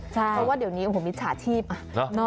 เพราะว่าเดี๋ยวนี้มีฉาชีพ